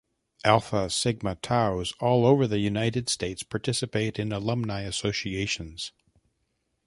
Alpha Sigma Taus all over the United States participate in alumnae associations.